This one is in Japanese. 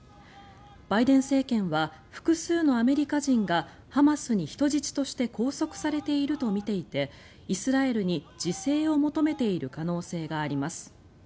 バイデン政権は複数のアメリカ人がハマスに人質として拘束されているとみていてイスラエルに自制を求めている可能性があります。